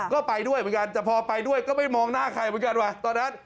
ก็ไปด้วยเหมือนกันแต่พอไปด้วยก็ไม่มองหน้าใครเหมือนกันว่ะตอนนั้น